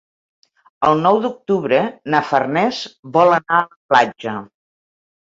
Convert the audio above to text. El nou d'octubre na Farners vol anar a la platja.